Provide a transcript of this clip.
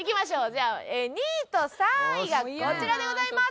じゃあ２位と３位がこちらでございます！